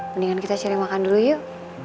mendingan kita cari makan dulu yuk